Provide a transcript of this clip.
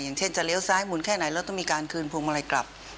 อย่างเช่นจะเลี้ยวซ้ายหมุนแค่ไหนแล้วต้องมีการคืนพวงมาลัยกลับ